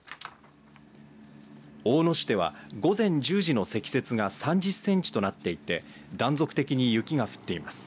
大野市では午前１０時の積雪が３０センチとなっていて断続的に雪が降っています。